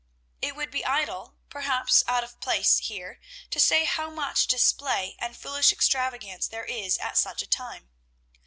It would be idle, perhaps out of place here, to say how much display and foolish extravagance there is at such a time.